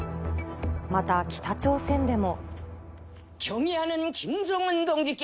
また、北朝鮮でも。